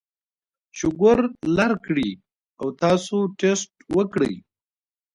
شوګر لر کړي او تاسو ټېسټ وکړئ